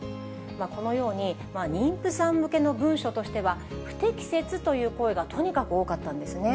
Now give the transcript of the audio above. このように、妊婦さん向けの文書としては不適切という声がとにかく多かったんですね。